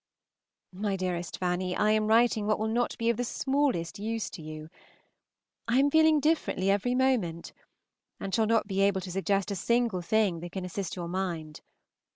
My dearest Fanny, I am writing what will not be of the smallest use to you. I am feeling differently every moment, and shall not be able to suggest a single thing that can assist your mind.